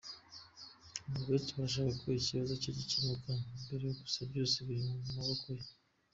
Ngo benshi barashaka ko ikibazo cye gikemuka mbere gusa “byose biri mu maboko ye”.